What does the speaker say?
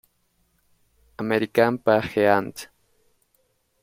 American Pageant"